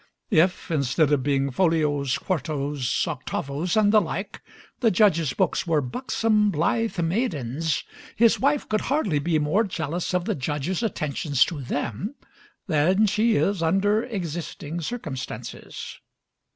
If, instead of being folios, quartos, octavos, and the like, the Judge's books were buxom, blithe maidens, his wife could hardly be more jealous of the Judge's attentions to them than she is under existing circumstances.